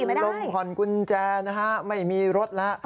แล้วผ่อนลมห่วงกุญแจนะฮะไม่มีรถวันล่ะ